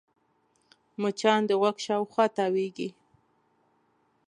مچان د غوږ شاوخوا تاوېږي